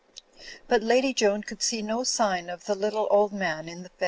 But Lady Joan could see no sign of the little old man in the fez.